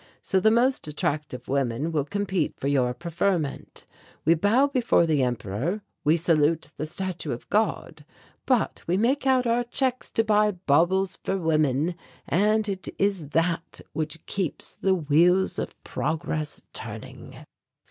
So the most attractive women will compete for your preferment. We bow before the Emperor, we salute the Statue of God, but we make out our checks to buy baubles for women, and it is that which keeps the wheels of progress turning."